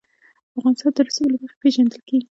افغانستان د رسوب له مخې پېژندل کېږي.